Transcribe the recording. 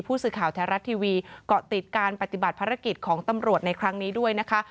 ผู้สื่อข่าวแท้รัฐทีวีเกาะติดการปฏิบัติภารกิจของตำรวจในครั้งนี้ด้วยนะคะ